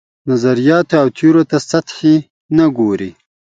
نظریاتو او تیوریو ته سطحي نه ګوري.